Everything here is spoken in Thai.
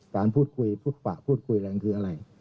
การพูดคุยพูดฝ่าพูดคุยอะไรอย่างนี้คืออะไร